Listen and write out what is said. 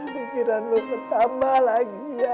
pikiran lu pertama lagi ya